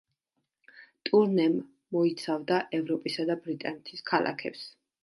ტურნემ მოიცავდა ევროპისა და ბრიტანეთის ქალაქებს.